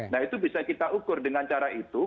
nah itu bisa kita ukur dengan cara itu